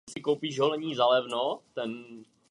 K útoku se přihlásilo hnutí Hamás.